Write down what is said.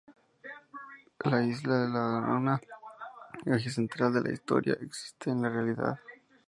La isla de la Ladrona, eje central de la historia, existe en la realidad.